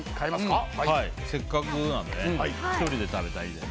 せっかくなんでね１人で食べたい。